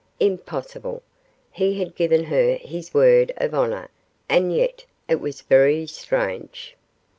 Impossible! he had given her his word of honour, and yet it was very strange.